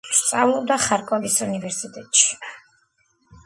სწავლობდა ხარკოვის უნივერსიტეტში.